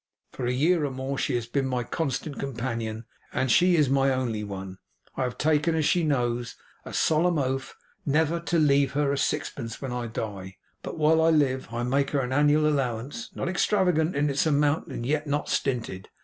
For a year or more she has been my constant companion, and she is my only one. I have taken, as she knows, a solemn oath never to leave her sixpence when I die, but while I live I make her an annual allowance; not extravagant in its amount and yet not stinted.